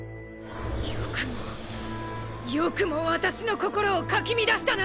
よくもよくも私の心をかき乱したな！